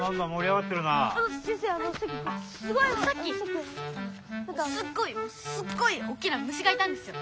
さっきすっごいすっごいおっきな虫がいたんですよ。